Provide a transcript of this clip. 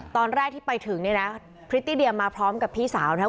ตอนแรกที่ไปถึงเนี่ยนะพริตตี้เดียมาพร้อมกับพี่สาวนะครับ